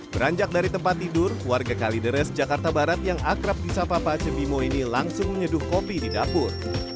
beranjak dari tempat tidur warga kalideres jakarta barat yang akrab di sapa pak cebimo ini langsung menyeduh kopi di dapur